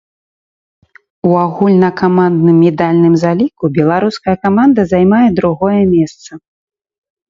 У агульнакамандным медальным заліку беларуская каманда займае другое месца.